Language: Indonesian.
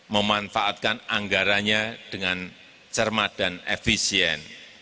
memanfaatkan anggaranya dengan cermat dan efisien